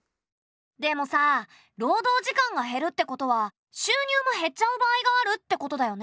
でもさ労働時間が減るってことは収入も減っちゃう場合があるってことだよね。